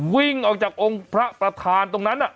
วิ่งออกจากองค์พระประธานตรงนั้น